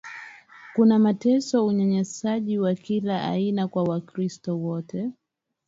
kama mateso unyanyashaji wa kila aina kwa wakristo wote